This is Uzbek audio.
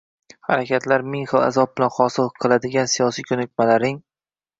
harakatlar ming xil azob bilan hosil qiladigan siyosiy ko‘nikmalarining